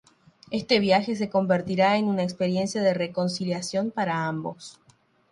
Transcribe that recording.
Este viaje se convertirá en una experiencia de reconciliación para ambos.